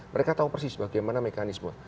mereka tahu persis bagaimana mekanisme